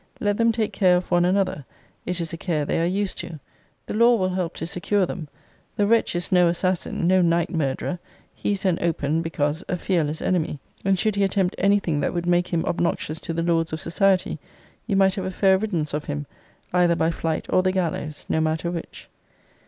Let them take care of one another. It is a care they are used to. The law will help to secure them. The wretch is no assassin, no night murderer. He is an open, because a fearless enemy; and should he attempt any thing that would make him obnoxious to the laws of society, you might have a fair riddance of him, either by flight or the gallows; no matter which.